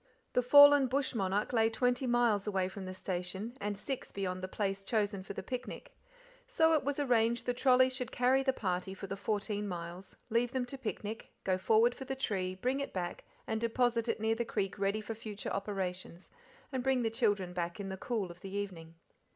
The fallen bush monarch lay twenty miles away from the station, and six beyond the place chosen for the picnic; so it was arranged the trolly should carry the party for the fourteen miles, leave them to picnic, go forward for the tree, bring it back, and deposit it near the creek ready for future operations, and bring the children back in the cool of the evening.